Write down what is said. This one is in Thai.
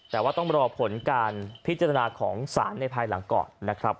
แต่ว่าต้องรอผลการพิจารณาของศาลในภายหลังก่อนนะครับ